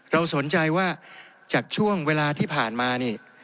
เราสนใจว่าจากช่วงเวลาที่ผ่านมานี่